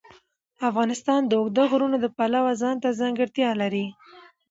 افغانستان د اوږده غرونه د پلوه ځانته ځانګړتیا لري.